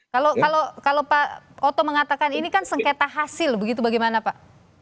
kalau pak oto mengatakan ini kan sengketa hasil begitu bagaimana pak